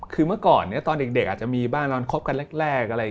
คือเมื่อก่อนตอนเด็กอาจจะมีบ้านตอนคบกันแรกอะไร